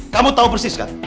kamu tahu persis kan